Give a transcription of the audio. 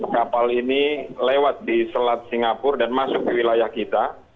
kapal ini lewat di selat singapura dan masuk ke wilayah kita